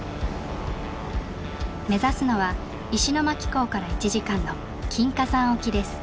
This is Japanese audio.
目指すのは石巻港から１時間の金華山沖です。